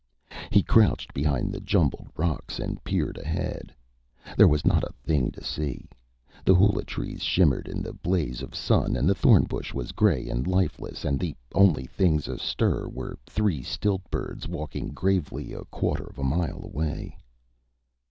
He crouched behind the jumbled rocks and peered ahead. There was not a thing to see. The hula trees shimmered in the blaze of sun and the thorn bush was gray and lifeless and the only things astir were three stilt birds walking gravely a quarter of a mile away.